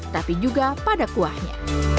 tapi juga pada kuahnya